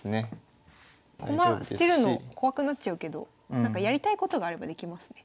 駒捨てるの怖くなっちゃうけどやりたいことがあればできますね。